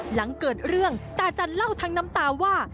หลังเกิดเรื่องตาจันเล่าทั้งน้ำตาว่า